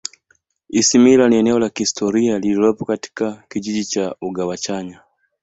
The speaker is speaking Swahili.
Isimila ni eneo la kihistoria lililopo katika kijiji cha Ugwachanya